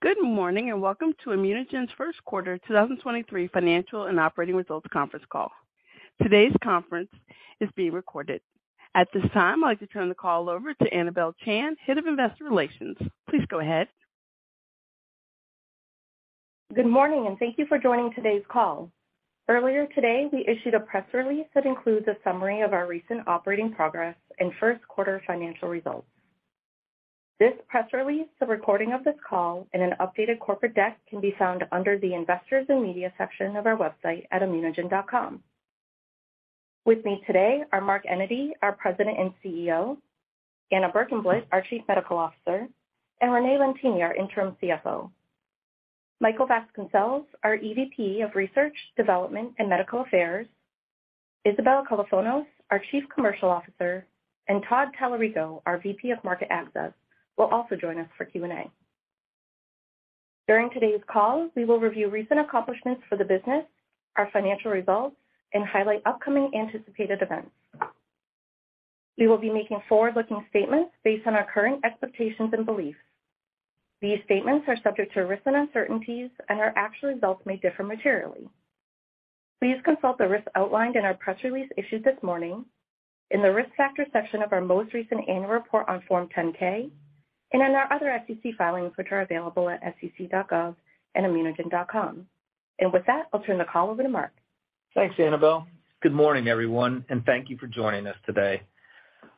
Good morning, welcome to ImmunoGen's first quarter 2023 financial and operating results conference call. Today's conference is being recorded. At this time, I'd like to turn the call over to Anabel Chan, Head of Investor Relations. Please go ahead. Good morning. Thank you for joining today's call. Earlier today, we issued a press release that includes a summary of our recent operating progress and first quarter financial results. This press release, the recording of this call, and an updated corporate deck can be found under the Investors and Media section of our website at ImmunoGen.com. With me today are Mark Enyedy, our President and CEO, Anna Berkenblit, our Chief Medical Officer, and Renee Lentini, our Interim CFO. Michael Vasconcelles, our EVP of Research, Development, and Medical Affairs, Isabel Kalofonos, our Chief Commercial Officer, and Todd Talarico, our VP of Market Access, will also join us for Q&A. During today's call, we will review recent accomplishments for the business, our financial results, and highlight upcoming anticipated events. We will be making forward-looking statements based on our current expectations and beliefs. These statements are subject to risks and uncertainties, and our actual results may differ materially. Please consult the risks outlined in our press release issued this morning, in the Risk Factor section of our most recent annual report on Form 10-K, and in our other SEC filings which are available at sec.gov and immunogen.com. With that, I'll turn the call over to Mark. Thanks, Anabel. Good morning, everyone, and thank you for joining us today.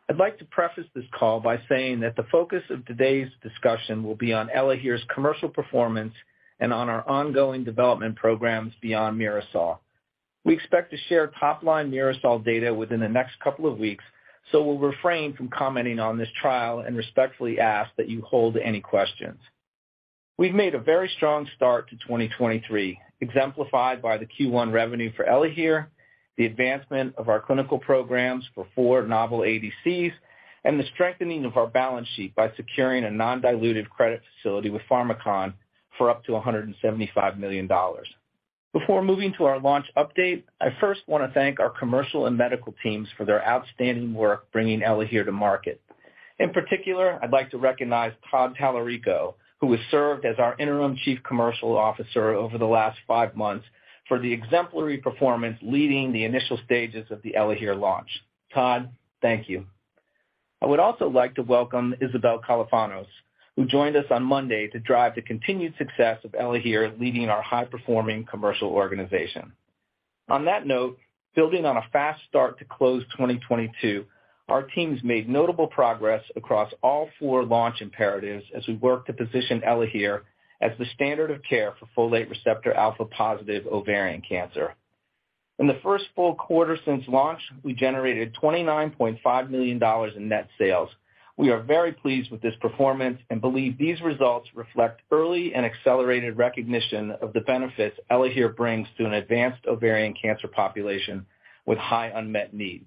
I'd like to preface this call by saying that the focus of today's discussion will be on ELAHERE's commercial performance and on our ongoing development programs beyond MIRASOL. We expect to share top-line MIRASOL data within the next couple of weeks, so we'll refrain from commenting on this trial and respectfully ask that you hold any questions. We've made a very strong start to 2023, exemplified by the Q1 revenue for ELAHERE, the advancement of our clinical programs for four novel ADCs, and the strengthening of our balance sheet by securing a non-dilutive credit facility with Pharmakon for up to $175 million. Before moving to our launch update, I first wanna thank our commercial and medical teams for their outstanding work bringing ELAHERE to market. In particular, I'd like to recognize Todd Talarico, who has served as our interim chief commercial officer over the last five months, for the exemplary performance leading the initial stages of the ELAHERE launch. Todd, thank you. I would also like to welcome Isabel Kalofonos, who joined us on Monday to drive the continued success of ELAHERE, leading our high-performing commercial organization. Building on a fast start to close 2022, our teams made notable progress across all four launch imperatives as we work to position ELAHERE as the standard of care for folate receptor alpha-positive ovarian cancer. In the first full quarter since launch, we generated $29.5 million in net sales. We are very pleased with this performance and believe these results reflect early and accelerated recognition of the benefits ELAHERE brings to an advanced ovarian cancer population with high unmet need.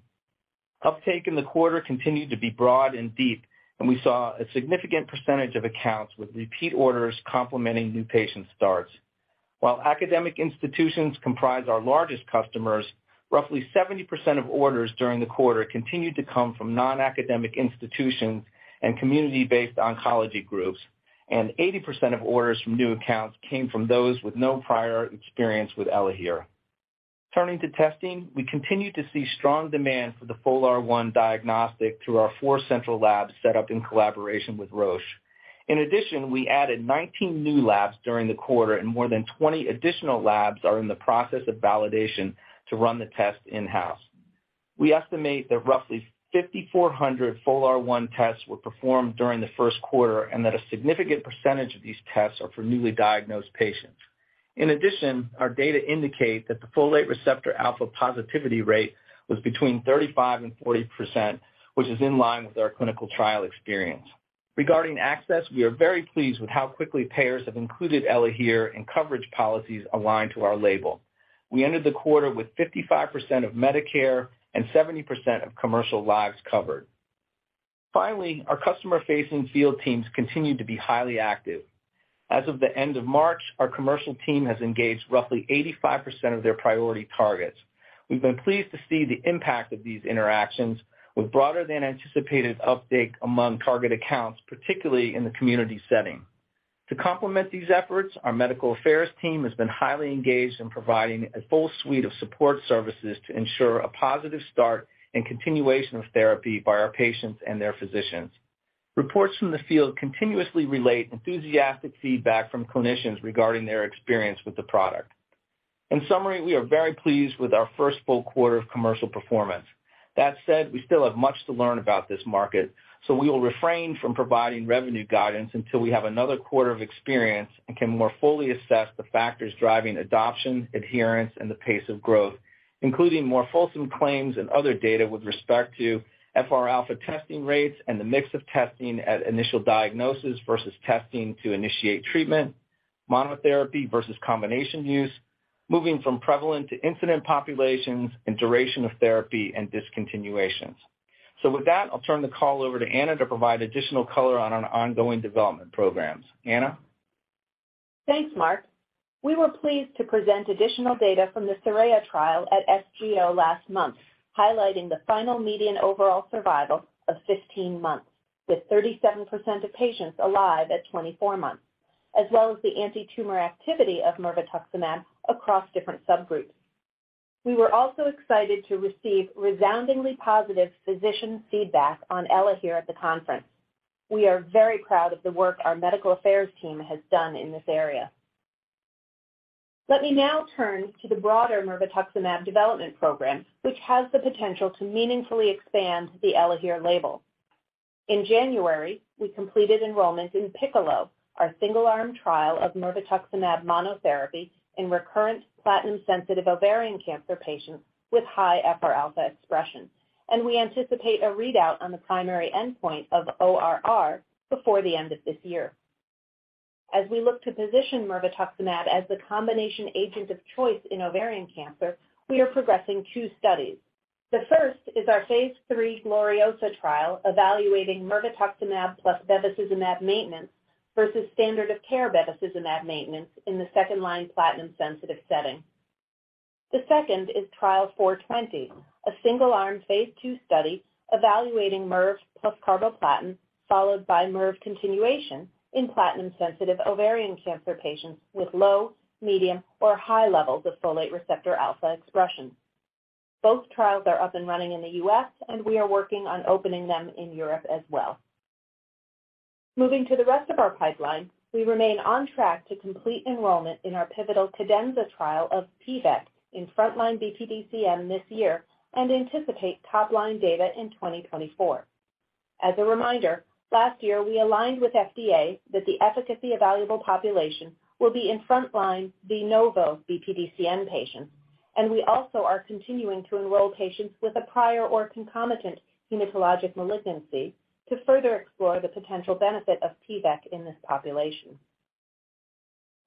Uptake in the quarter continued to be broad and deep. We saw a significant percentage of accounts with repeat orders complementing new patient starts. While academic institutions comprise our largest customers, roughly 70% of orders during the quarter continued to come from non-academic institutions and community-based oncology groups. 80% of orders from new accounts came from those with no prior experience with ELAHERE. Turning to testing, we continue to see strong demand for the FOLR1 diagnostic through our four central labs set up in collaboration with Roche. In addition, we added 19 new labs during the quarter. More than 20 additional labs are in the process of validation to run the test in-house. We estimate that roughly 5,400 FOLR1 tests were performed during the first quarter. A significant percentage of these tests are for newly diagnosed patients. Our data indicate that the folate receptor alpha positivity rate was between 35% and 40%, which is in line with our clinical trial experience. Regarding access, we are very pleased with how quickly payers have included ELAHERE in coverage policies aligned to our label. We ended the quarter with 55% of Medicare and 70% of commercial lives covered. Our customer-facing field teams continue to be highly active. As of the end of March, our commercial team has engaged roughly 85% of their priority targets. We've been pleased to see the impact of these interactions with broader than anticipated uptake among target accounts, particularly in the community setting. To complement these efforts, our medical affairs team has been highly engaged in providing a full suite of support services to ensure a positive start and continuation of therapy by our patients and their physicians. Reports from the field continuously relate enthusiastic feedback from clinicians regarding their experience with the product. In summary, we are very pleased with our first full quarter of commercial performance. That said, we still have much to learn about this market, we will refrain from providing revenue guidance until we have another quarter of experience and can more fully assess the factors driving adoption, adherence, and the pace of growth, including more fulsome claims and other data with respect to FR alpha testing rates and the mix of testing at initial diagnosis versus testing to initiate treatment, monotherapy versus combination use, moving from prevalent to incident populations, and duration of therapy and discontinuations. With that, I'll turn the call over to Anna to provide additional color on our ongoing development programs. Anna? Thanks, Mark. We were pleased to present additional data from the SORAYA trial at SGO last month, highlighting the final median overall survival of 15 months, with 37% of patients alive at 24 months, as well as the antitumor activity of mirvetuximab across different subgroups. We were also excited to receive resoundingly positive physician feedback on ELAHERE at the conference. We are very proud of the work our medical affairs team has done in this area. Let me now turn to the broader mirvetuximab development program, which has the potential to meaningfully expand the ELAHERE label. In January, we completed enrollment in PICCOLO, our single-arm trial of mirvetuximab monotherapy in recurrent platinum-sensitive ovarian cancer patients with high FRα expression, and we anticipate a readout on the primary endpoint of ORR before the end of this year. As we look to position mirvetuximab as the combination agent of choice in ovarian cancer, we are progressing 2 studies. The first is our phase III GLORIOSA trial evaluating mirvetuximab plus bevacizumab maintenance versus standard of care bevacizumab maintenance in the second-line platinum-sensitive setting. The second is Trial 0420, a single-arm phase II study evaluating mirve plus carboplatin followed by mirve continuation in platinum-sensitive ovarian cancer patients with low, medium, or high levels of folate receptor alpha expression. Both trials are up and running in the US, we are working on opening them in Europe as well. Moving to the rest of our pipeline, we remain on track to complete enrollment in our pivotal CADENZA trial of PVEK in frontline BPDCN this year and anticipate top-line data in 2024. As a reminder, last year we aligned with FDA that the efficacy evaluable population will be in frontline de novo BPDCN patients, and we also are continuing to enroll patients with a prior or concomitant hematologic malignancy to further explore the potential benefit of PVEK in this population.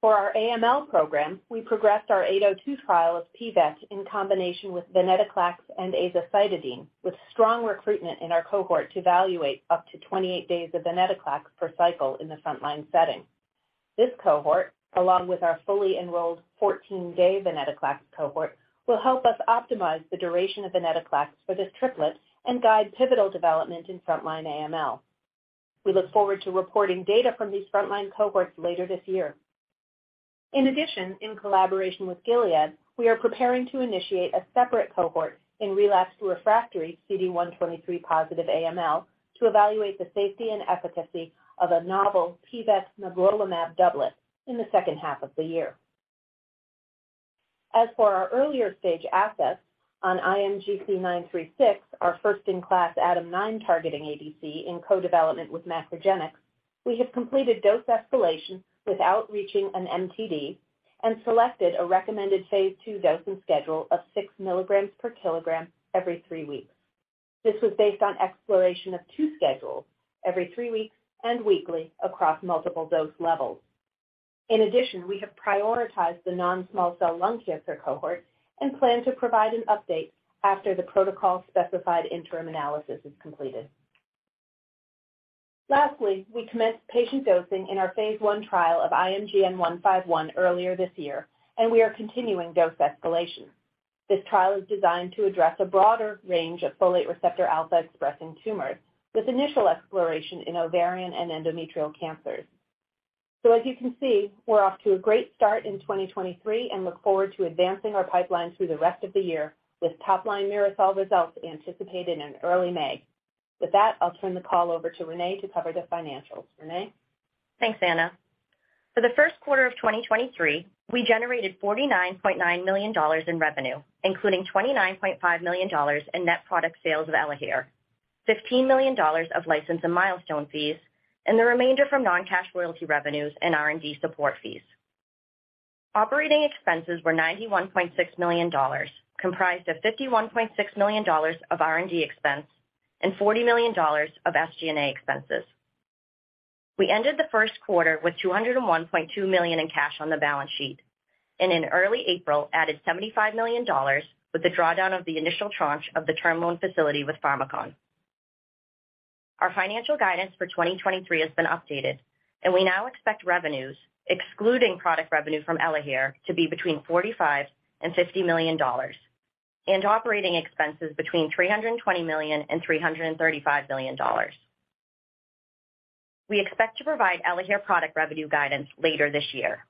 For our AML program, we progressed our 802 trial of PVEK in combination with venetoclax and azacitidine, with strong recruitment in our cohort to evaluate up to 28 days of venetoclax per cycle in the frontline setting. This cohort, along with our fully enrolled 14-day venetoclax cohort, will help us optimize the duration of venetoclax for this triplet and guide pivotal development in frontline AML. We look forward to reporting data from these frontline cohorts later this year. In addition, in collaboration with Gilead, we are preparing to initiate a separate cohort in relapsed refractory CD123-positive AML to evaluate the safety and efficacy of a novel PVEK magrolimab doublet in the second half of the year. As for our earlier stage assets on IMGC936, our first-in-class ADAM9-targeting ADC in co-development with MacroGenics, we have completed dose escalation without reaching an MTD and selected a recommended phase II dosing schedule of 6 milligrams per kilogram every 3 weeks. This was based on exploration of 2 schedules every 3 weeks and weekly across multiple dose levels. In addition, we have prioritized the non-small cell lung cancer cohort and plan to provide an update after the protocol specified interim analysis is completed. Lastly, we commenced patient dosing in our phase I trial of IMGN151 earlier this year, and we are continuing dose escalation. This trial is designed to address a broader range of folate receptor alpha expressing tumors with initial exploration in ovarian and endometrial cancers. As you can see, we're off to a great start in 2023 and look forward to advancing our pipeline through the rest of the year with top-line MIRASOL results anticipated in early May. With that, I'll turn the call over to Renee to cover the financials. Renee? Thanks, Anna. For the first quarter of 2023, we generated $49.9 million in revenue, including $29.5 million in net product sales of ELAHERE, $15 million of license and milestone fees, and the remainder from non-cash royalty revenues and R&D support fees. Operating expenses were $91.6 million, comprised of $51.6 million of R&D expense and $40 million of SG&A expenses. We ended the first quarter with $201.2 million in cash on the balance sheet and in early April added $75 million with the drawdown of the initial tranche of the term loan facility with Pharmakon. Our financial guidance for 2023 has been updated. We now expect revenues excluding product revenue from ELAHERE to be between $45 million and $50 million and operating expenses between $320 million and $335 million. We expect to provide ELAHERE product revenue guidance later this year.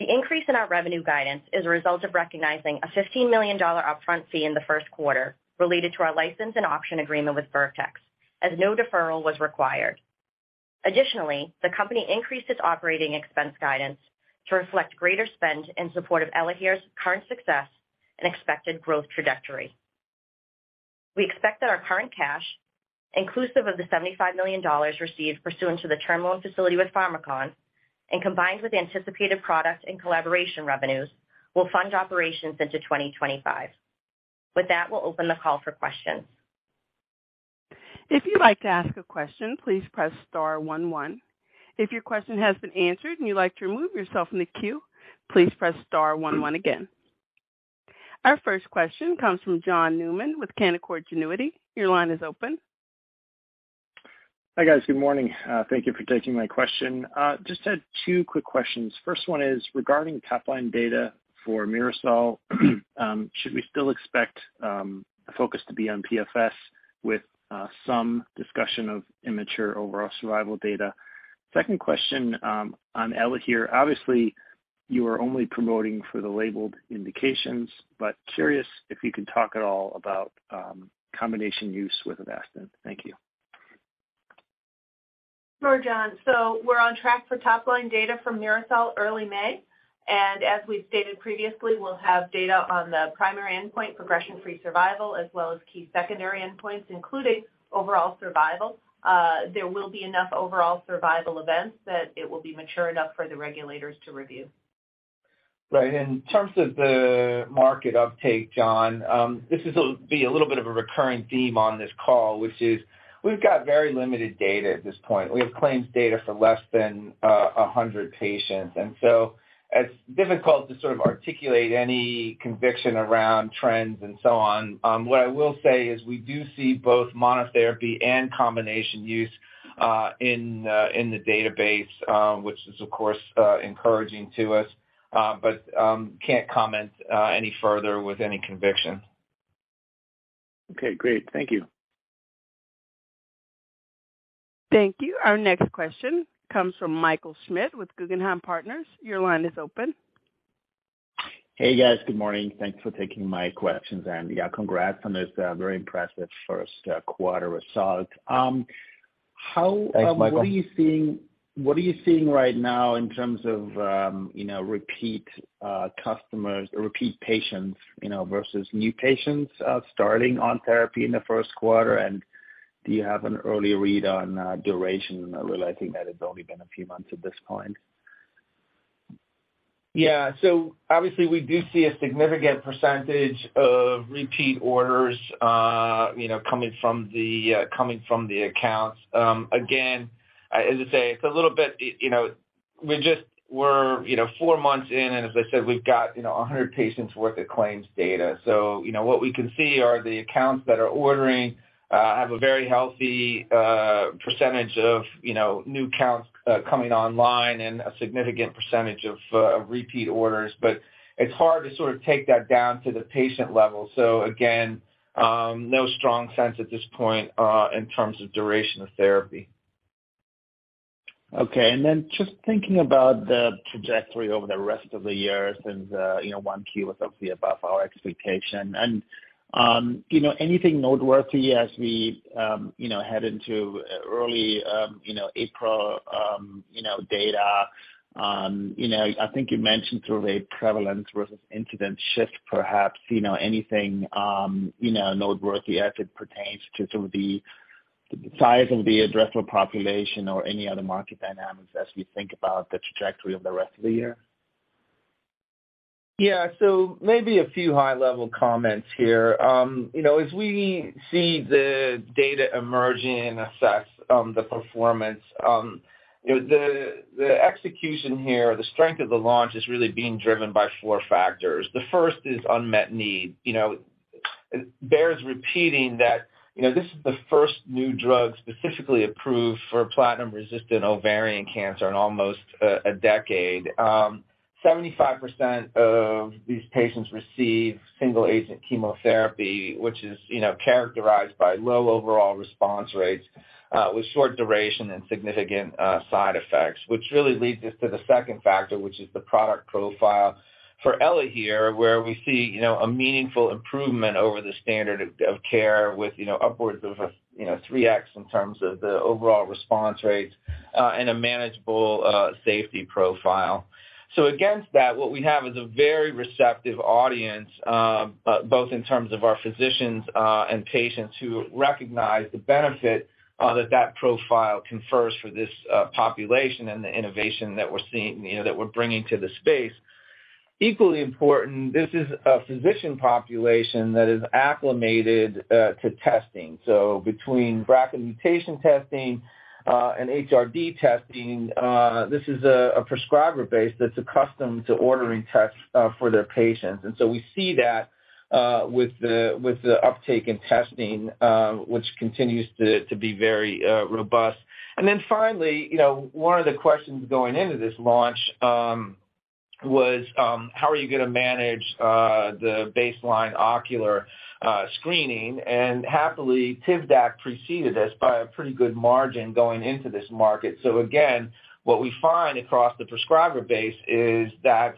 The increase in our revenue guidance is a result of recognizing a $15 million upfront fee in the first quarter related to our license and option agreement with Vertex, as no deferral was required. Additionally, the company increased its operating expense guidance to reflect greater spend in support of ELAHERE's current success and expected growth trajectory. We expect that our current cash, inclusive of the $75 million received pursuant to the term loan facility with Pharmakon and combined with anticipated product and collaboration revenues, will fund operations into 2025. With that, we'll open the call for questions. If you'd like to ask a question, please press star one one. If your question has been answered and you'd like to remove yourself from the queue, please press star one one again. Our first question comes from John Newman with Canaccord Genuity. Your line is open Hi, guys. Good morning. Thank you for taking my question. Just had two quick questions. First one is regarding top line data for MIRASOL. Should we still expect the focus to be on PFS with some discussion of immature overall survival data? Second question, on ELAHERE. Obviously, you are only promoting for the labeled indications, but curious if you can talk at all about combination use with Avastin. Thank you. Sure, John. We're on track for top line data from MIRASOL early May. As we've stated previously, we'll have data on the primary endpoint, progression-free survival, as well as key secondary endpoints, including overall survival. There will be enough overall survival events that it will be mature enough for the regulators to review. Right. In terms of the market uptake, John, this is be a little bit of a recurring theme on this call, which is we've got very limited data at this point. We have claims data for less than 100 patients. It's difficult to sort of articulate any conviction around trends and so on. What I will say is we do see both monotherapy and combination use in the database, which is of course, encouraging to us, but can't comment any further with any conviction. Okay, great. Thank you. Thank you. Our next question comes from Michael Schmidt with Guggenheim Securities. Your line is open. Hey, guys. Good morning. Thanks for taking my questions. Yeah, congrats on this, very impressive first, quarter result. Thanks, Michael. What are you seeing right now in terms of, you know, repeat customers or repeat patients, you know, versus new patients starting on therapy in the first quarter? Do you have an early read on duration, realizing that it's only been a few months at this point? Yeah. Obviously, we do see a significant percentage of repeat orders, you know, coming from the coming from the accounts. Again, as I say, it's a little bit, you know, we're, you know, 4 months in, and as I said, we've got, you know, 100 patients worth of claims data. So, you know, what we can see are the accounts that are ordering, have a very healthy percentage of, you know, new counts coming online and a significant percentage of repeat orders. But it's hard to sort of take that down to the patient level. Again, no strong sense at this point in terms of duration of therapy. Okay. Just thinking about the trajectory over the rest of the year since, you know, 1Q was obviously above our expectation. Anything noteworthy as we, you know, head into early, you know, April, you know, data? You know, I think you mentioned sort of a prevalence versus incident shift, perhaps, you know, anything, you know, noteworthy as it pertains to sort of the size of the addressable population or any other market dynamics as we think about the trajectory of the rest of the year? Yeah. Maybe a few high-level comments here. You know, as we see the data emerging and assess the performance, you know, the execution here, the strength of the launch is really being driven by four factors. The first is unmet need. You know, it bears repeating that, you know, this is the first new drug specifically approved for platinum-resistant ovarian cancer in almost a decade. 75% of these patients receive single agent chemotherapy, which is, you know, characterized by low overall response rates, with short duration and significant side effects, which really leads us to the second factor, which is the product profile for ELAHERE, where we see, you know, a meaningful improvement over the standard of care with, you know, upwards of, you know, 3x in terms of the overall response rates, and a manageable safety profile. Against that, what we have is a very receptive audience, both in terms of our physicians, and patients who recognize the benefit that that profile confers for this population and the innovation that we're seeing, you know, that we're bringing to the space. Equally important, this is a physician population that is acclimated to testing. Between BRCA mutation testing and HRD testing, this is a prescriber base that's accustomed to ordering tests for their patients. We see that with the uptake in testing, which continues to be very robust. Finally, you know, one of the questions going into this launch was how are you gonna manage the baseline ocular screening? Happily, Tivdak preceded this by a pretty good margin going into this market. Again, what we find across the prescriber base is that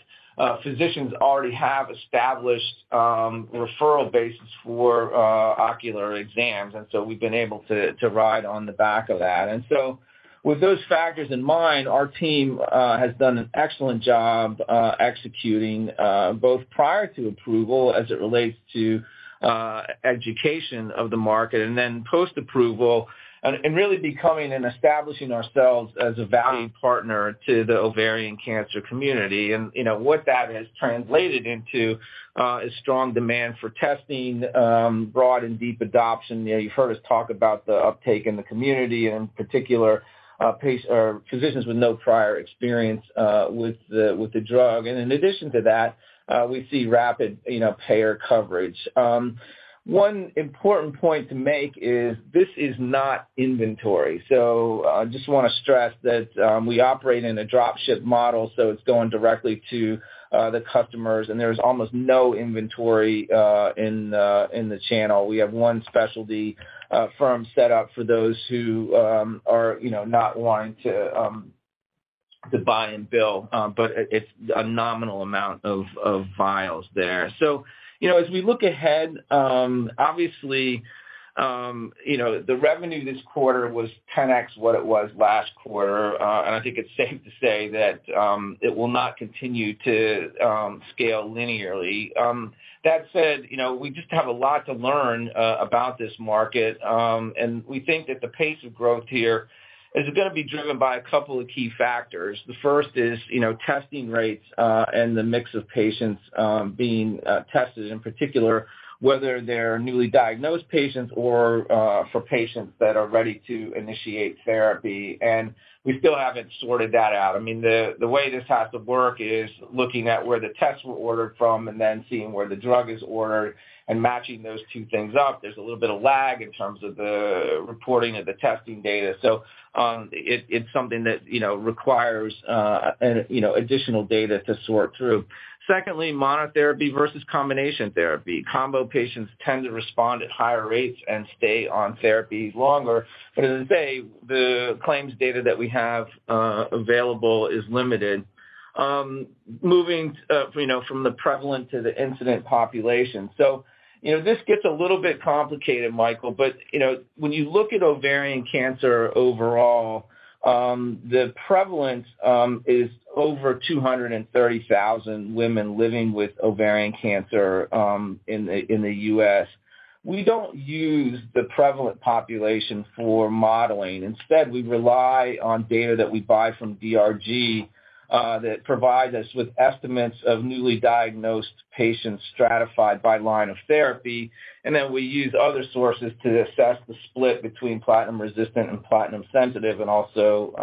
physicians already have established referral bases for ocular exams, and so we've been able to ride on the back of that. With those factors in mind, our team has done an excellent job executing both prior to approval as it relates to education of the market and then post-approval and really becoming and establishing ourselves as a valued partner to the ovarian cancer community. You know, what that has translated into is strong demand for testing, broad and deep adoption. You know, you've heard us talk about the uptake in the community, and in particular, physicians with no prior experience with the drug. In addition to that, we see rapid, you know, payer coverage. One important point to make is this is not inventory. Just wanna stress that we operate in a drop ship model, so it's going directly to the customers, and there's almost no inventory in the channel. We have one specialty firm set up for those who, you know, not wanting to buy and bill, but it's a nominal amount of vials there. You know, as we look ahead, obviously, you know, the revenue this quarter was 10x what it was last quarter. I think it's safe to say that it will not continue to scale linearly. That said, you know, we just have a lot to learn about this market, and we think that the pace of growth here is gonna be driven by a couple of key factors. The first is, you know, testing rates, and the mix of patients being tested, in particular, whether they're newly diagnosed patients or for patients that are ready to initiate therapy. We still haven't sorted that out. I mean, the way this has to work is looking at where the tests were ordered from and then seeing where the drug is ordered and matching those two things up. There's a little bit of lag in terms of the reporting of the testing data. It's something that, you know, requires, and, you know, additional data to sort through. Secondly, monotherapy versus combination therapy. Combo patients tend to respond at higher rates and stay on therapy longer. As I say, the claims data that we have available is limited. Moving, you know, from the prevalent to the incident population. You know, this gets a little bit complicated, Michael, but, you know, when you look at ovarian cancer overall, the prevalence is over 230,000 women living with ovarian cancer in the US. We don't use the prevalent population for modeling. Instead, we rely on data that we buy from DRG that provides us with estimates of newly diagnosed patients stratified by line of therapy. We use other sources to assess the split between platinum resistant and platinum sensitive and also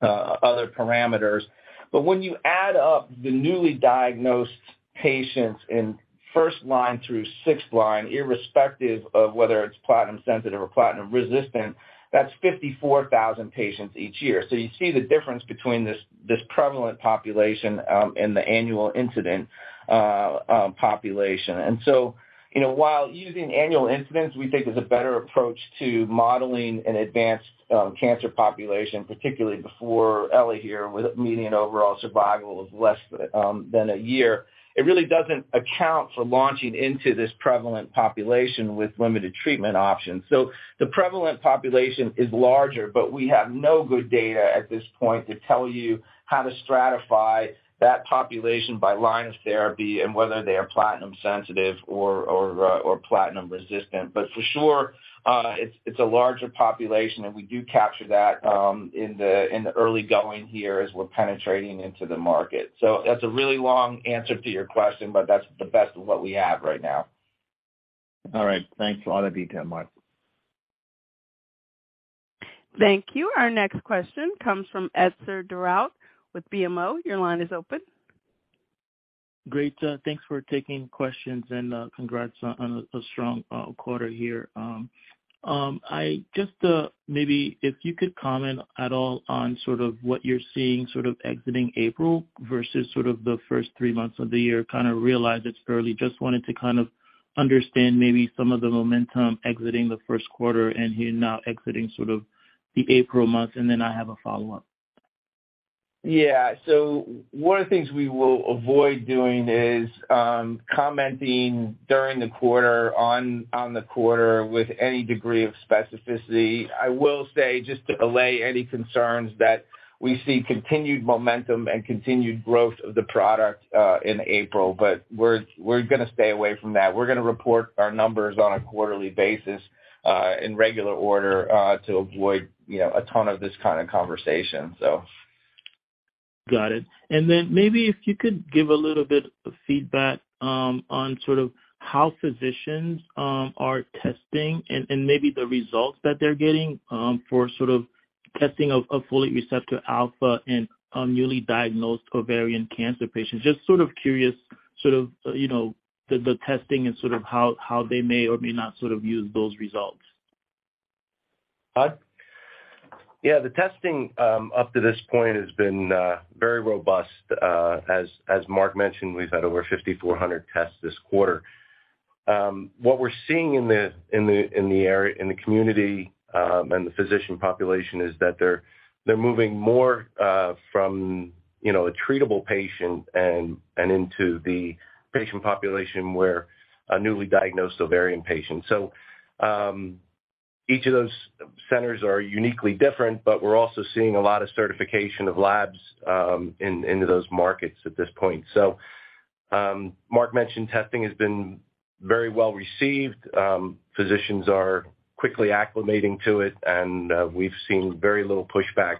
other parameters. When you add up the newly diagnosed patients in first line through sixth line, irrespective of whether it's platinum sensitive or platinum resistant, that's 54,000 patients each year. You see the difference between this prevalent population and the annual incident population. You know, while using annual incidence, we think is a better approach to modeling an advanced cancer population, particularly before ELAHERE, with a median overall survival of less than 1 year. It really doesn't account for launching into this prevalent population with limited treatment options. The prevalent population is larger, but we have no good data at this point to tell you how to stratify that population by line of therapy and whether they are platinum sensitive or platinum resistant. For sure, it's a larger population, and we do capture that in the early going here as we're penetrating into the market. That's a really long answer to your question, but that's the best of what we have right now. All right. Thanks for all the detail, Mark. Thank you. Our next question comes from Etzer Darout with BMO. Your line is open. Great. Thanks for taking questions and congrats on a strong quarter here. I just maybe if you could comment at all on sort of what you're seeing sort of exiting April versus sort of the first three months of the year. Kinda realize it's early. Just wanted to kind of understand maybe some of the momentum exiting the first quarter and here now exiting sort of the April months. I have a follow-up. Yeah. One of the things we will avoid doing is commenting during the quarter on the quarter with any degree of specificity. I will say, just to allay any concerns, that we see continued momentum and continued growth of the product, in April, but we're gonna stay away from that. We're gonna report our numbers on a quarterly basis, in regular order, to avoid, you know, a ton of this kind of conversation, so. Got it. Maybe if you could give a little bit of feedback, on sort of how physicians, are testing and maybe the results that they're getting, for sort of testing of folate receptor alpha in, newly diagnosed ovarian cancer patients. Just sort of curious sort of, you know, the testing and sort of how they may or may not sort of use those results. Todd? Yeah. The testing, up to this point has been very robust. As Mark mentioned, we've had over 5,400 tests this quarter. What we're seeing in the area, in the community, and the physician population is that they're moving more, from, you know, a treatable patient and into the patient population where a newly diagnosed ovarian patient. Each of those centers are uniquely different, but we're also seeing a lot of certification of labs, into those markets at this point. Mark mentioned testing has been very well received. Physicians are quickly acclimating to it, and we've seen very little pushback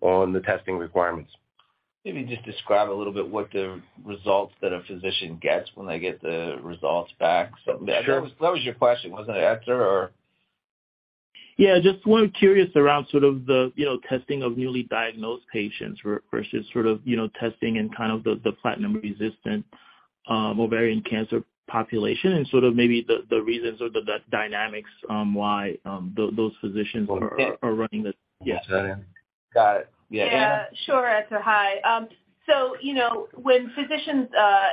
on the testing requirements. Maybe just describe a little bit what the results that a physician gets when they get the results back. That was your question, wasn't it, Etzer or? Yeah, just was curious around sort of the, you know, testing of newly diagnosed patients versus sort of, you know, testing in kind of the platinum-resistant ovarian cancer population and sort of maybe the reasons or the dynamics why those physicians are running the. Yes. Got it. Yeah, Anna? Yeah, sure. Hi. you know, when physicians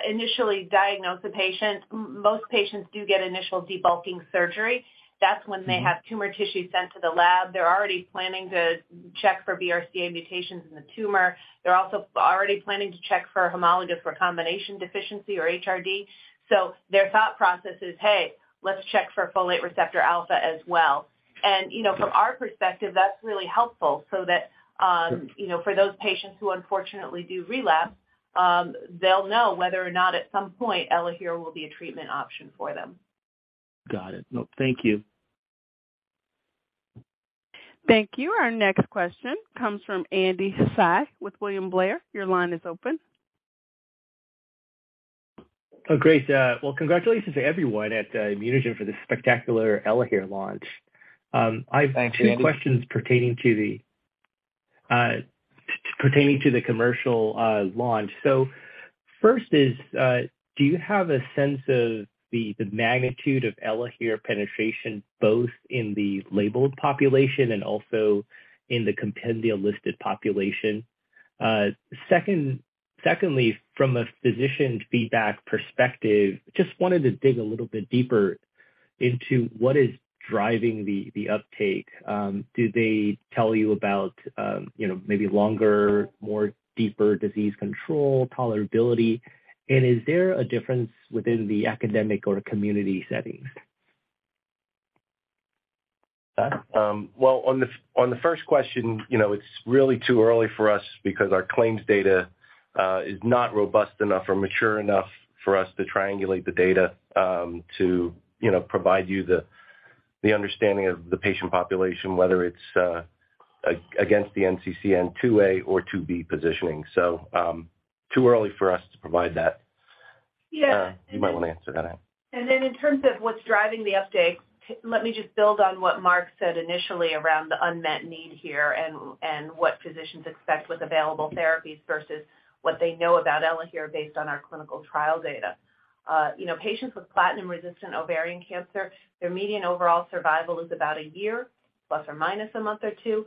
initially diagnose a patient, most patients do get initial debulking surgery. That's when they have tumor tissue sent to the lab. They're already planning to check for BRCA mutations in the tumor. They're also already planning to check for homologous recombination deficiency or HRD. Their thought process is, hey, let's check for folate receptor alpha as well. you know, from our perspective, that's really helpful, so that, you know, for those patients who unfortunately do relapse, they'll know whether or not at some point ELAHERE will be a treatment option for them. Got it. No, thank you. Thank you. Our next question comes from Andy Hsieh with William Blair. Your line is open. great. well, congratulations to everyone at ImmunoGen for this spectacular ELAHERE launch. Thanks, Andy. Two questions pertaining to the commercial launch. First is, do you have a sense of the magnitude of ELAHERE penetration, both in the labeled population and also in the compendial listed population? Secondly, from a physician feedback perspective, just wanted to dig a little bit deeper into what is driving the uptake. Do they tell you about, you know, maybe longer, more deeper disease control, tolerability? Is there a difference within the academic or community settings? Well, on the first question, you know, it's really too early for us because our claims data is not robust enough or mature enough for us to triangulate the data, to, you know, provide you the understanding of the patient population, whether it's against the NCCN 2A or 2B positioning. Too early for us to provide that. Yeah. You might wanna answer that, Anna. In terms of what's driving the uptake, let me just build on what Mark said initially around the unmet need here and what physicians expect with available therapies versus what they know about ELAHERE based on our clinical trial data. You know, patients with platinum-resistant ovarian cancer, their median overall survival is about 1 year plus or minus 1 month or 2.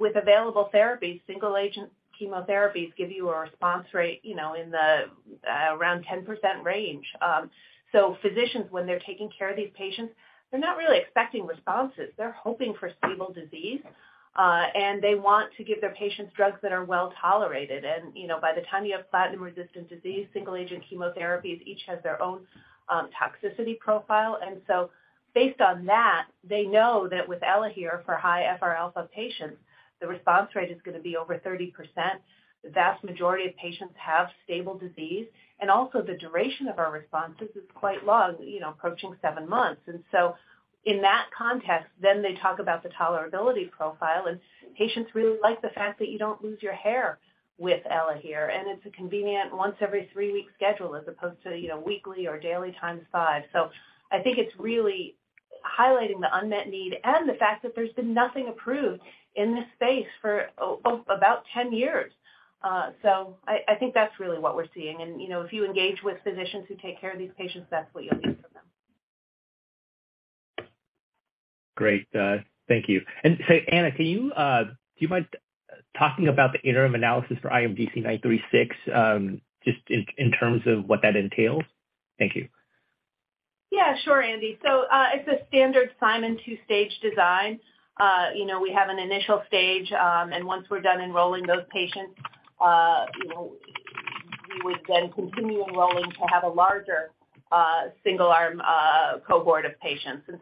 With available therapies, single-agent chemotherapies give you a response rate, you know, in the around 10% range. Physicians, when they're taking care of these patients, they're not really expecting responses. They're hoping for stable disease and they want to give their patients drugs that are well-tolerated. You know, by the time you have platinum-resistant disease, single-agent chemotherapies each has their own toxicity profile. Based on that, they know that with ELAHERE for high FRα patients, the response rate is gonna be over 30%. The vast majority of patients have stable disease, and also the duration of our responses is quite long, you know, approaching 7 months. In that context, then they talk about the tolerability profile, and patients really like the fact that you don't lose your hair with ELAHERE, and it's a convenient once every 3-week schedule as opposed to, you know, weekly or daily times 5. I think it's really highlighting the unmet need and the fact that there's been nothing approved in this space for about 10 years. I think that's really what we're seeing. You know, if you engage with physicians who take care of these patients, that's what you'll hear from them. Great. Thank you. Anna, can you do you mind talking about the interim analysis for IMGC936, just in terms of what that entails? Thank you. Yeah, sure, Andy. It's a standard Simon's two-stage design. You know, we have an initial stage, and once we're done enrolling those patients, you know, we would then continue enrolling to have a larger, single arm, cohort of patients. You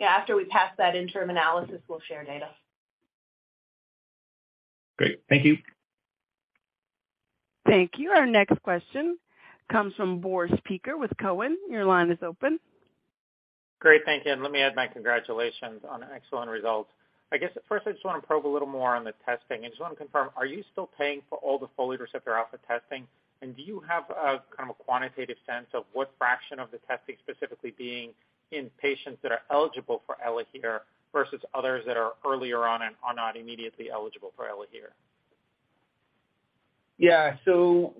know, after we pass that interim analysis, we'll share data. Great. Thank you. Thank you. Our next question comes from Boris Peaker with Cowen. Your line is open. Great. Thank you. Let me add my congratulations on excellent results. I guess first I just wanna probe a little more on the testing. I just wanna confirm, are you still paying for all the folate receptor alpha testing, and do you have a kind of a quantitative sense of what fraction of the testing specifically being in patients that are eligible for ELAHERE versus others that are earlier on and are not immediately eligible for ELAHERE? Yeah.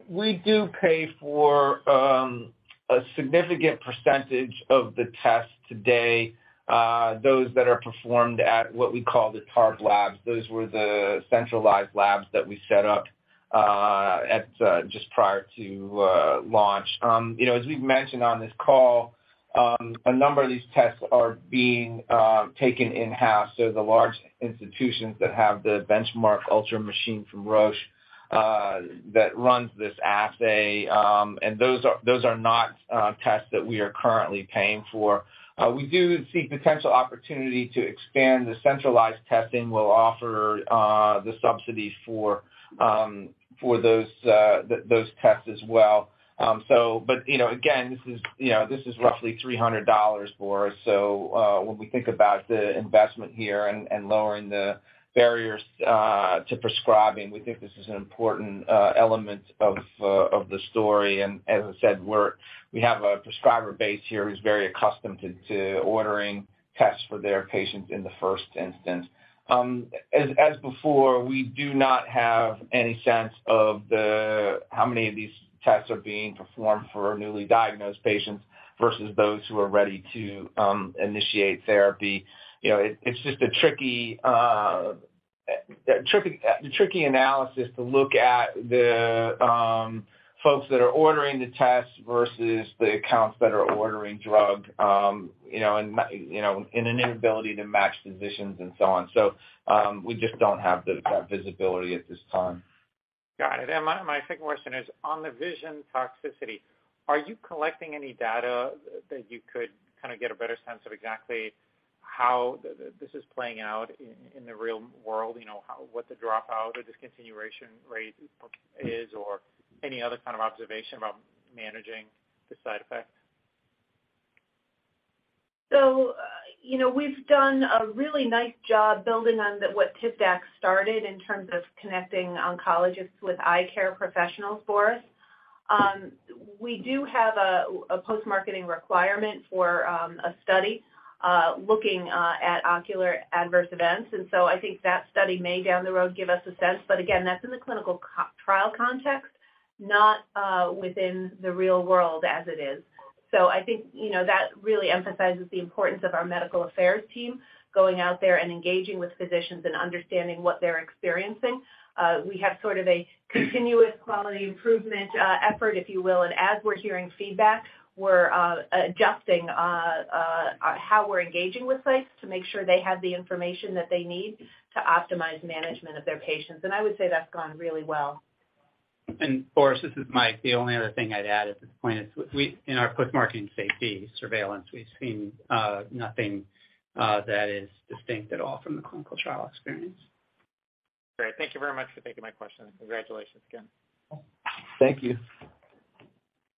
We do pay for a significant percentage of the tests today, those that are performed at what we call the TARP labs. Those were the centralized labs that we set up just prior to launch. You know, as we've mentioned on this call, a number of these tests are being taken in-house. The large institutions that have the BenchMark ULTRA machine from Roche that runs this assay, and those are not tests that we are currently paying for. We do see potential opportunity to expand the centralized testing. We'll offer the subsidy for those tests as well. Again, this is, you know, this is roughly $300 for us. When we think about the investment here and lowering the barriers to prescribing, we think this is an important element of the story. As I said, we have a prescriber base here who's very accustomed to ordering tests for their patients in the first instance. As before, we do not have any sense of theHow many of these tests are being performed for newly diagnosed patients versus those who are ready to initiate therapy. You know, it's just a tricky analysis to look at the folks that are ordering the tests versus the accounts that are ordering drug, you know, and an inability to match physicians and so on. We just don't have that visibility at this time. Got it. My second question is on the vision toxicity. Are you collecting any data that you could kind of get a better sense of exactly how this is playing out in the real world, you know, how what the dropout or discontinuation rate is or any other kind of observation about managing the side effects? You know, we've done a really nice job building on the, what Tivdak started in terms of connecting oncologists with eye care professionals for us. We do have a post-marketing requirement for a study looking at ocular adverse events. I think that study may down the road give us a sense. Again, that's in the clinical trial context, not within the real world as it is. I think, you know, that really emphasizes the importance of our medical affairs team going out there and engaging with physicians and understanding what they're experiencing. We have sort of a continuous quality improvement effort, if you will. As we're hearing feedback, we're adjusting how we're engaging with sites to make sure they have the information that they need to optimize management of their patients.I would say that's gone really well. Boris, this is Mike. The only other thing I'd add at this point is we, in our post-marketing safety surveillance, we've seen, nothing, that is distinct at all from the clinical trial experience. Great. Thank you very much for taking my question. Congratulations again. Thank you.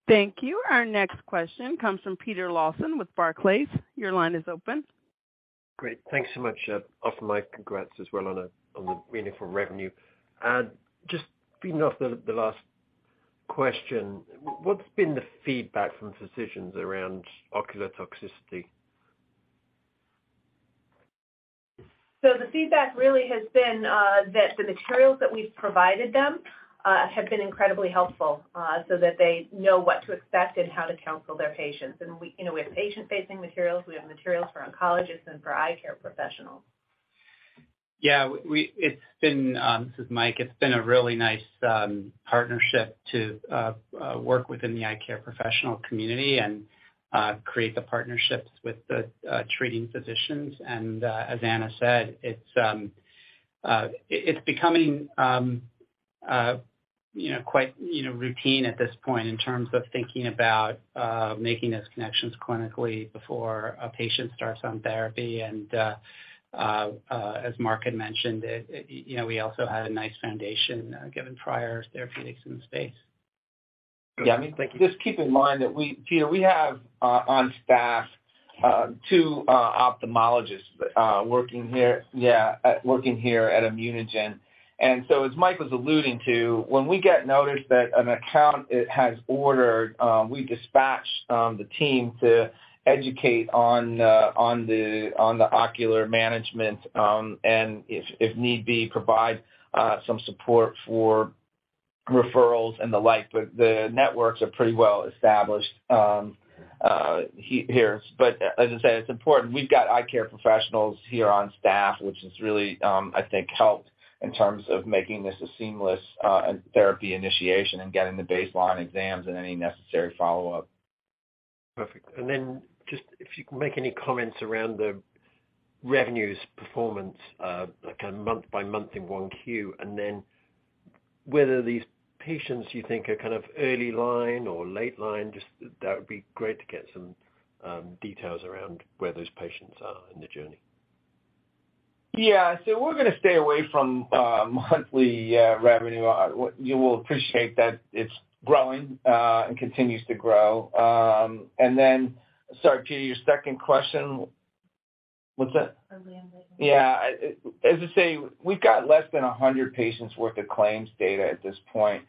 Thank you. Our next question comes from Peter Lawson with Barclays. Your line is open. Great. Thank you so much. Also my congrats as well on the meaningful revenue. Just feeding off the last question, what's been the feedback from physicians around ocular toxicity? The feedback really has been, that the materials that we've provided them, have been incredibly helpful, so that they know what to expect and how to counsel their patients. And we, you know, we have patient-facing materials, we have materials for oncologists and for eye care professionals. Yeah, it's been, this is Mike, it's been a really nice partnership to work within the eye care professional community and create the partnerships with the treating physicians. As Ana said, it's becoming, you know, quite, you know, routine at this point in terms of thinking about making those connections clinically before a patient starts on therapy. As Mark had mentioned, it, you know, we also had a nice foundation given prior therapeutics in the space. Yeah. I mean, just keep in mind that we, Peter, we have, on staff, two ophthalmologists, working here at ImmunoGen. As Mike was alluding to, when we get notice that an account it has ordered, we dispatch the team to educate on the ocular management, and if need be, provide some support for referrals and the like, but the networks are pretty well established here. As I said, it's important. We've got eye care professionals here on staff, which has really, I think helped in terms of making this a seamless therapy initiation and getting the baseline exams and any necessary follow-up. Perfect. Just if you can make any comments around the revenues performance, like a month by month in 1Q, and then whether these patients you think are kind of early line or late line, just that would be great to get some details around where those patients are in the journey. Yeah. We're gonna stay away from, monthly, revenue. You will appreciate that it's growing, and continues to grow. Sorry, Peter, your second question. What's that? Early and late line. I, as I say, we've got less than 100 patients worth of claims data at this point,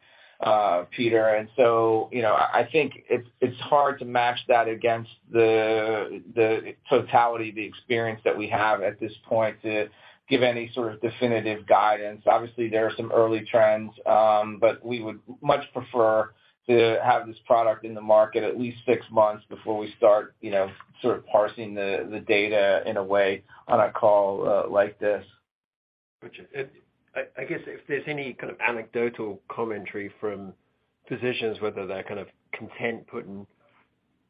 Peter. You know, I think it's hard to match that against the totality of the experience that we have at this point to give any sort of definitive guidance. Obviously, there are some early trends, but we would much prefer to have this product in the market at least 6 months before we start, you know, sort of parsing the data in a way on a call like this. Gotcha. I guess if there's any kind of anecdotal commentary from physicians whether they're kind of content putting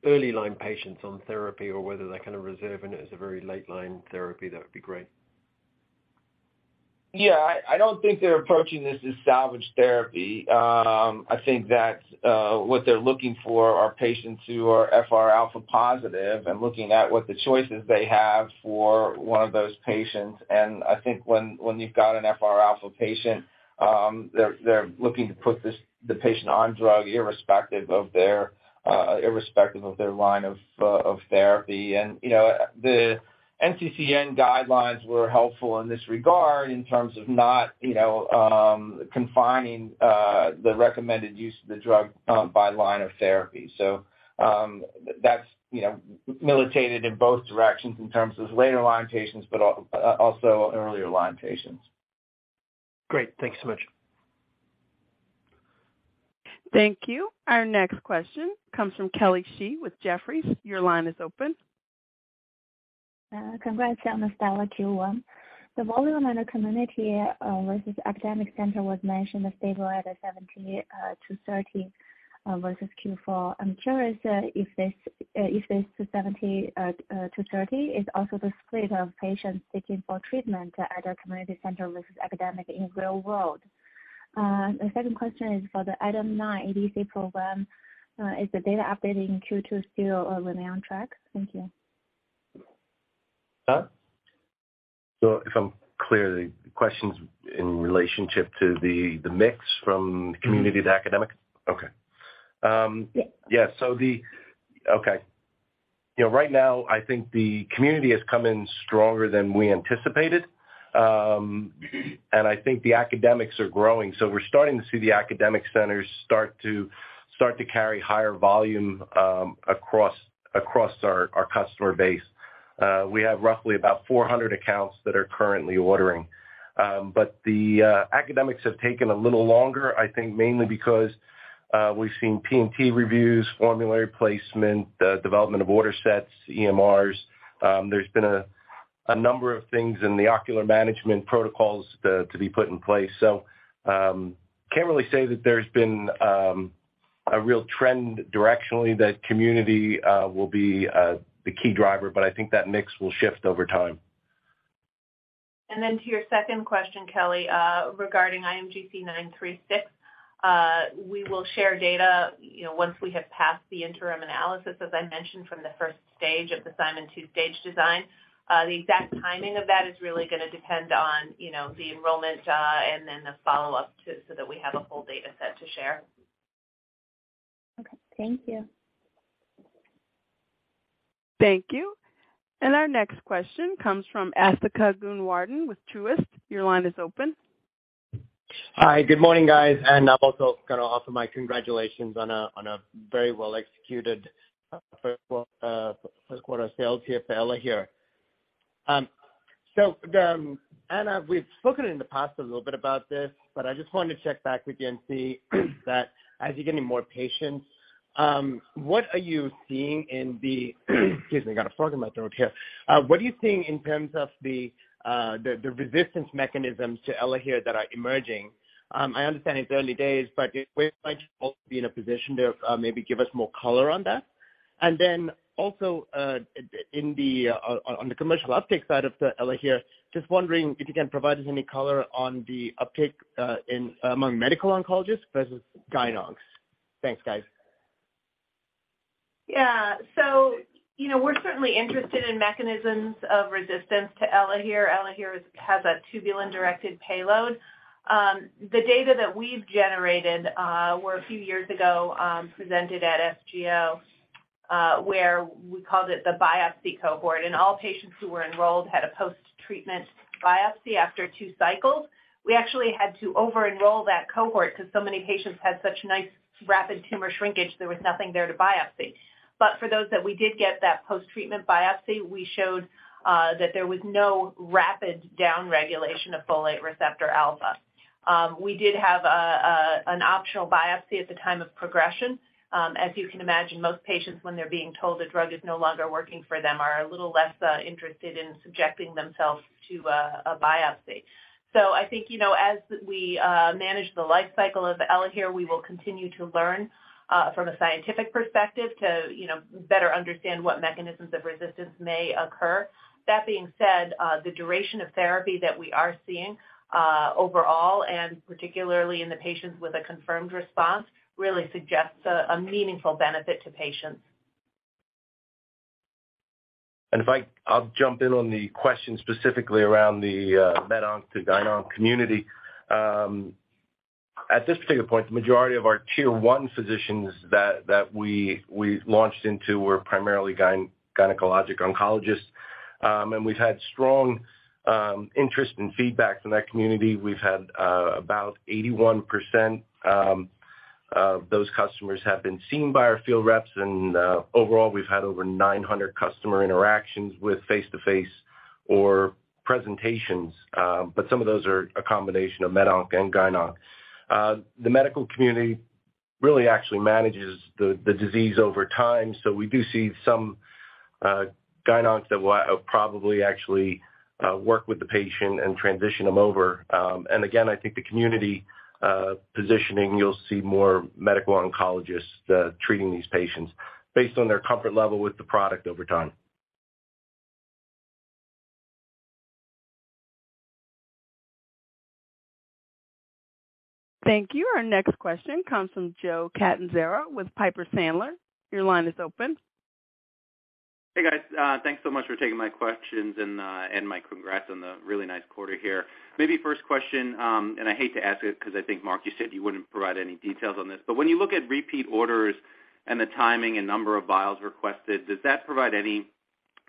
early line patients on therapy or whether they're kind of reserving it as a very late line therapy, that would be great. Yeah. I don't think they're approaching this as salvage therapy. I think that what they're looking for are patients who are FRα positive and looking at what the choices they have for one of those patients. I think when you've got an FRα patient, they're looking to put the patient on drug irrespective of their irrespective of their line of therapy. You know, the NCCN guidelines were helpful in this regard in terms of not, you know, confining the recommended use of the drug by line of therapy. That's, you know, militated in both directions in terms of later line patients, but also earlier line patients. Great. Thank you so much. Thank you. Our next question comes from Kelly Shi with Jefferies. Your line is open. Congrats on the stellar Q1. The volume in the community versus academic center was mentioned as stable at a 70-30 versus Q4. I'm curious if this 70-30 is also the split of patients seeking for treatment at a community center versus academic in real world. My second question is for the ADAM9 ADC program. Is the data update in Q2 still or remain on track? Thank you. Huh? If I'm clear, the question's in relationship to the mix from community to academic? Okay. Yes. Yeah. Okay. You know, right now I think the community has come in stronger than we anticipated. I think the academics are growing. We're starting to see the academic centers start to carry higher volume across our customer base. We have roughly about 400 accounts that are currently ordering. The academics have taken a little longer, I think mainly because we've seen P&T reviews, formulary placement, development of order sets, EMRs. There's been a number of things in the ocular management protocols to be put in place. Can't really say that there's been a real trend directionally that community will be the key driver, I think that mix will shift over time. Then to your second question, Kelly Shi, regarding IMGC936, we will share data, you know, once we have passed the interim analysis, as I mentioned from the first stage of the Simon's two-stage design. The exact timing of that is really gonna depend on, you know, the enrollment, and then the follow-up so that we have a full data set to share. Okay. Thank you. Thank you. Our next question comes from Asthika Goonewardene with Truist. Your line is open. Hi. Good morning, guys. I'm also gonna offer my congratulations on a very well executed first quarter sales here for ELAHERE. Anna, we've spoken in the past a little bit about this, but I just wanted to check back with you and see that as you're getting more patients, what are you seeing... Excuse me, got a frog in my throat here. What are you seeing in terms of the resistance mechanisms to ELAHERE that are emerging? I understand it's early days, but we might both be in a position to maybe give us more color on that. In the commercial uptake side of ELAHERE, just wondering if you can provide us any color on the uptake in among medical oncologists versus gyn oncs. Thanks, guys. You know, we're certainly interested in mechanisms of resistance to ELAHERE. ELAHERE has a tubulin-directed payload. The data that we've generated, were a few years ago, presented at SGO, where we called it the biopsy cohort, and all patients who were enrolled had a post-treatment biopsy after two cycles. We actually had to over-enroll that cohort 'cause so many patients had such nice rapid tumor shrinkage, there was nothing there to biopsy. For those that we did get that post-treatment biopsy, we showed that there was no rapid downregulation of folate receptor alpha. We did have an optional biopsy at the time of progression. You can imagine, most patients when they're being told the drug is no longer working for them, are a little less interested in subjecting themselves to a biopsy. I think, you know, as we manage the life cycle of ELAHERE, we will continue to learn from a scientific perspective to, you know, better understand what mechanisms of resistance may occur. That being said, the duration of therapy that we are seeing overall, and particularly in the patients with a confirmed response, really suggests a meaningful benefit to patients. I'll jump in on the question specifically around the med onc to gyn onc community. At this particular point, the majority of our tier one physicians that we launched into were primarily gynecologic oncologists. We've had strong interest and feedback from that community. We've had about 81% of those customers have been seen by our field reps, overall, we've had over 900 customer interactions with face-to-face or presentations, but some of those are a combination of med onc and gyn onc. The medical community really actually manages the disease over time, so we do see some gyn oncs that will probably actually work with the patient and transition them over. Again, I think the community, positioning, you'll see more medical oncologists, treating these patients based on their comfort level with the product over time. Thank you. Our next question comes from Joe Catanzaro with Piper Sandler. Your line is open. Hey, guys. Thanks so much for taking my questions and my congrats on the really nice quarter here. Maybe first question, I hate to ask it 'cause I think, Mark, you said you wouldn't provide any details on this. When you look at repeat orders and the timing and number of vials requested, does that provide any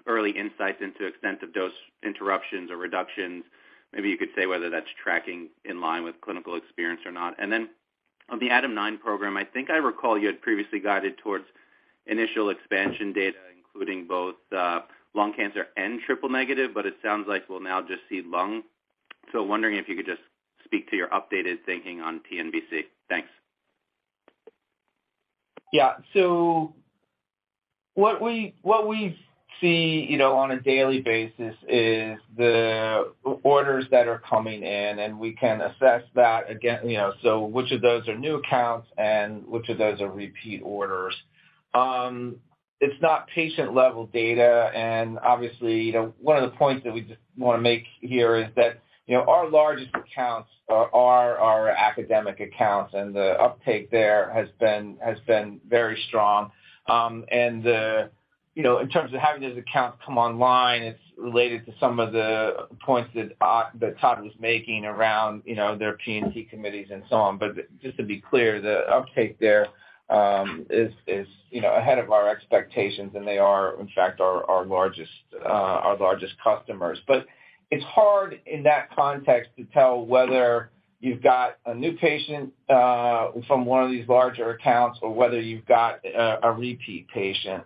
early insights into extent of dose interruptions or reductions? Maybe you could say whether that's tracking in line with clinical experience or not. On the ADAM9 program, I think I recall you had previously guided towards initial expansion data, including both lung cancer and triple negative, but it sounds like we'll now just see lung. Wondering if you could just speak to your updated thinking on PNBC. Thanks. Yeah. What we see, you know, on a daily basis is the orders that are coming in, and we can assess that again, you know, so which of those are new accounts and which of those are repeat orders. It's not patient-level data, and obviously, you know, one of the points that we just wanna make here is that, you know, our largest accounts are our academic accounts, and the uptake there has been very strong. In terms of having those accounts come online, it's related to some of the points that Todd was making around, you know, their P&T committees and so on. Just to be clear, the uptake there, is, you know, ahead of our expectations, and they are, in fact, our largest customers. It's hard in that context to tell whether you've got a new patient from one of these larger accounts or whether you've got a repeat patient.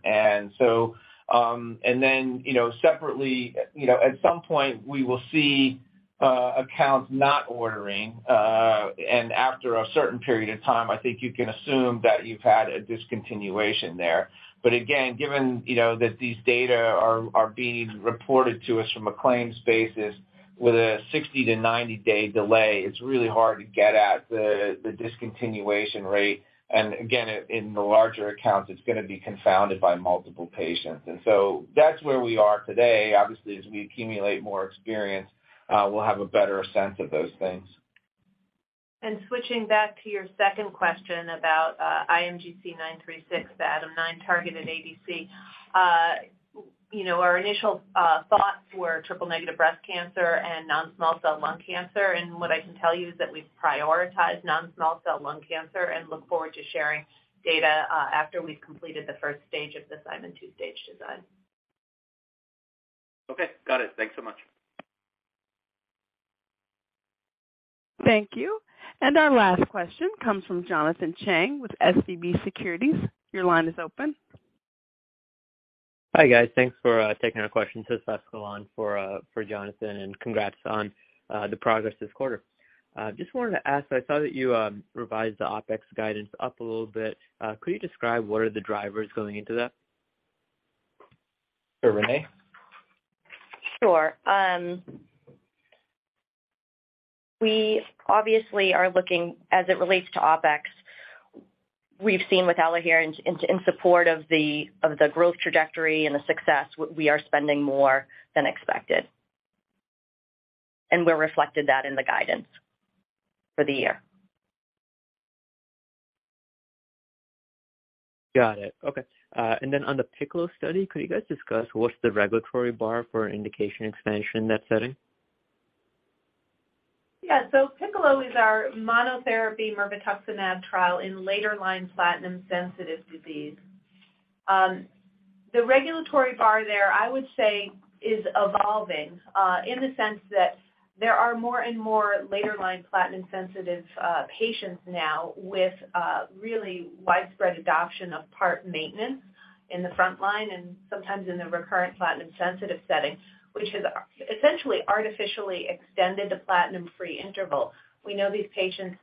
You know, separately, you know, at some point we will see accounts not ordering, and after a certain period of time, I think you can assume that you've had a discontinuation there. Again, given you know that these data are being reported to us from a claims basis with a 60 to 90 day delay, it's really hard to get at the discontinuation rate. Again, in the larger accounts, it's gonna be confounded by multiple patients. That's where we are today. Obviously, as we accumulate more experience, we'll have a better sense of those things. Switching back to your second question about IMGC936, the ADAM9-targeted ADC. you know, our initial thoughts were triple-negative breast cancer and non-small cell lung cancer. What I can tell you is that we've prioritized non-small cell lung cancer and look forward to sharing data after we've completed the first stage of this Simon's two-stage design. Okay. Got it. Thanks so much. Thank you. Our last question comes from Jonathan Chang with SVB Securities. Your line is open. Hi, guys. Thanks for taking our questions. This is the for Jonathan, and congrats on the progress this quarter. Just wanted to ask, I saw that you revised the OpEx guidance up a little bit. Could you describe what are the drivers going into that? Sure, Renee? Sure. We obviously are looking as it relates to OpEx. We've seen with ELAHERE in support of the, of the growth trajectory and the success, we are spending more than expected. We reflected that in the guidance for the year. Got it. Okay. On the PICCOLO study, could you guys discuss what's the regulatory bar for indication expansion in that setting? Yeah. Piccolo is our monotherapy mirvetuximab trial in later-line platinum-sensitive disease. The regulatory bar there, I would say, is evolving in the sense that there are more and more later-line platinum-sensitive patients now with really widespread adoption of PARP maintenance in the frontline and sometimes in the recurrent platinum-sensitive setting, which has essentially artificially extended the platinum-free interval. We know these patients,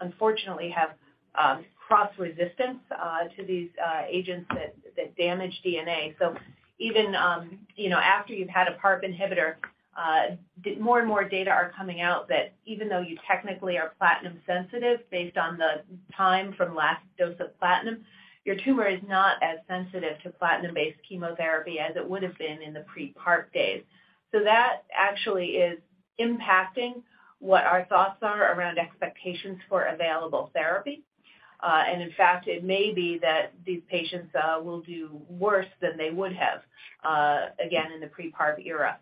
unfortunately have cross resistance to these agents that damage DNA. Even, you know, after you've had a PARP inhibitor, more and more data are coming out that even though you technically are platinum sensitive based on the time from last dose of platinum, your tumor is not as sensitive to platinum-based chemotherapy as it would have been in the pre-PARP days. That actually is impacting what our thoughts are around expectations for available therapy. In fact, it may be that these patients will do worse than they would have again in the pre-PARP era.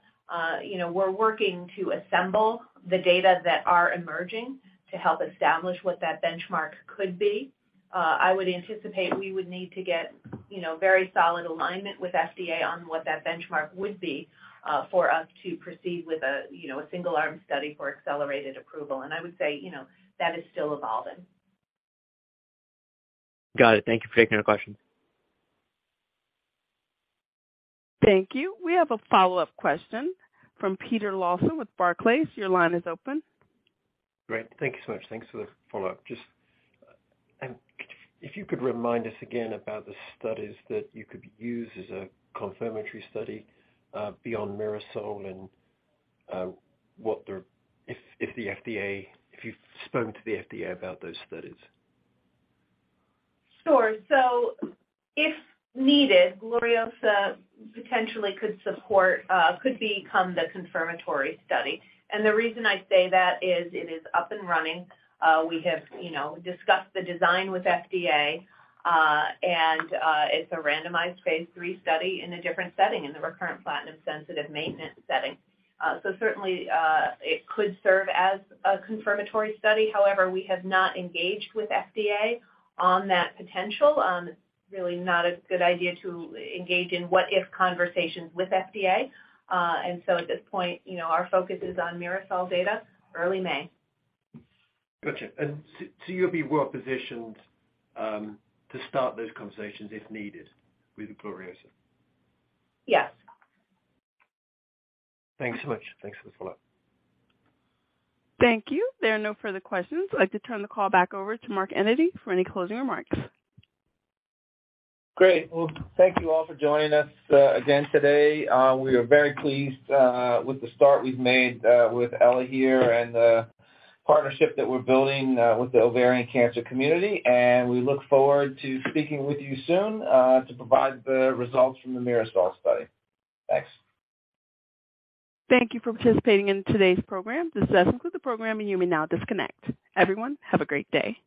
You know, we're working to assemble the data that are emerging to help establish what that benchmark could be. I would anticipate we would need to get, you know, very solid alignment with FDA on what that benchmark would be for us to proceed with a, you know, a single-arm study for accelerated approval. I would say, you know, that is still evolving. Got it. Thank you for taking the questions. Thank you. We have a follow-up question from Peter Lawson with Barclays. Your line is open. Great. Thank you so much. Thanks for the follow-up. Just, if you could remind us again about the studies that you could use as a confirmatory study, beyond MIRASOL and If the FDA, if you've spoken to the FDA about those studies? If needed, GLORIOSA potentially could support, could become the confirmatory study. The reason I say that is it is up and running. We have, you know, discussed the design with FDA, and it's a randomized phase III study in a different setting in the recurrent platinum-sensitive maintenance setting. Certainly, it could serve as a confirmatory study. However, we have not engaged with FDA on that potential. It's really not a good idea to engage in what if conversations with FDA. At this point, you know, our focus is on MIRASOL data, early May. Gotcha. So you'll be well-positioned, to start those conversations if needed with GLORIOSA? Yes. Thanks so much. Thanks for the follow-up. Thank you. There are no further questions. I'd like to turn the call back over to Mark Enyedy for any closing remarks. Great. Well, thank you all for joining us again today. We are very pleased with the start we've made with ELAHERE and the partnership that we're building with the ovarian cancer community, and we look forward to speaking with you soon to provide the results from the MIRASOL study. Thanks. Thank you for participating in today's program. This does conclude the program, and you may now disconnect. Everyone, have a great day.